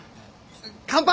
乾杯！